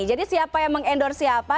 jadi siapa yang mengendorse siapa